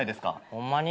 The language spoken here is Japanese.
ホンマに？